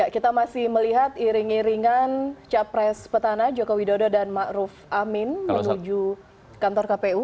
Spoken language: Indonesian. kita masih melihat iring iringan capres petana joko widodo dan ⁇ maruf ⁇ amin menuju kantor kpu